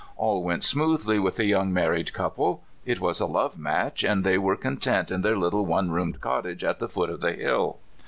All went smoothly with the young married couple. It was a love match, and they were con tent in their little one roomed cottage at the foot of the hill.